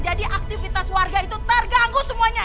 jadi aktivitas warga itu terganggu semuanya